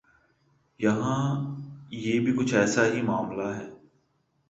یہاں پہ بھی کچھ ایسا ہی معاملہ ہے۔